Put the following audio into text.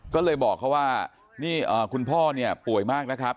ก็เลยบอกเขาว่านี่คุณพ่อเนี่ยป่วยมากนะครับ